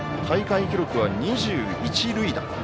大会記録は２１塁打。